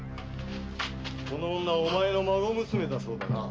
この女はお前の孫娘だそうだな？